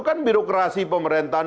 kan birokrasi pemerintahan